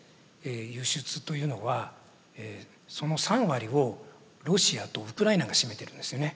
輸出というのはその３割をロシアとウクライナが占めてるんですよね。